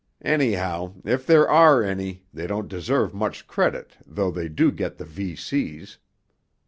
Anyhow, if there are any they don't deserve much credit though they do get the V.C.'